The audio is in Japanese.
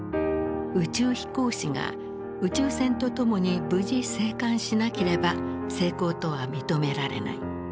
宇宙飛行士が宇宙船と共に無事生還しなければ成功とは認められない。